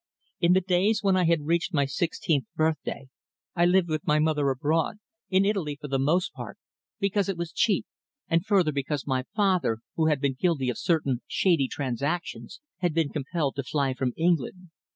"In the days when I had reached my sixteenth year I lived with my mother abroad, in Italy for the most part, because it was cheap, and further because my father, who had been guilty of certain shady transactions, had been compelled to fly from England.